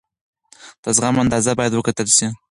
د زغم اندازه باید وکتل شي.